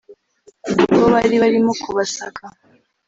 ubwo bari barimo kubasaka